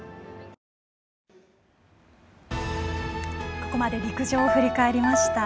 ここまで陸上を振り返りました。